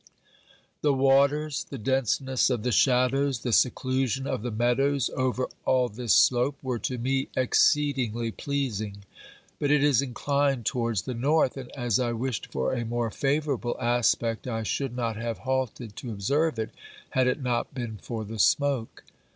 The waters, the denseness of the shadows, the seclusion of the meadows over all this slope, were to me exceedingly pleasing. But it is inclined towards the north, and as I wished for a more favourable aspect, I should not have halted to observe it, had it not been for the smoke.